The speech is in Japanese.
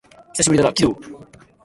久しぶりだな、鬼道